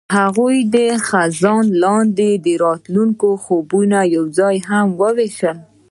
هغوی د خزان لاندې د راتلونکي خوبونه یوځای هم وویشل.